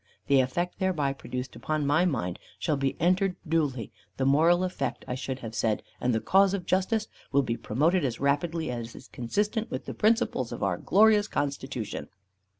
The effect thereby produced upon my mind shall be entered duly, the moral effect I should have said, and the cause of justice will be promoted as rapidly as is consistent with the principles of our glorious constitution."